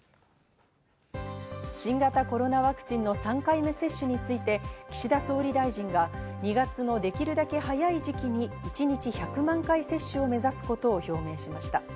新型コロナワクチンの３回目接種について岸田総理大臣が２月のできるだけ早い時期に一日１００万回接種を目指すことを表明しました。